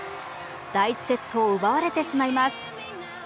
第１セットを奪われてしまいます。